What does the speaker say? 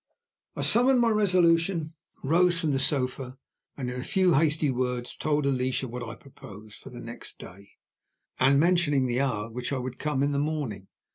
I summoned my resolution, rose from the sofa, and in a few hasty words told Alicia what I proposed for the next day, and mentioned the hour at which I would come in the morning.